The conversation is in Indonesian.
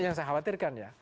yang saya khawatirkan ya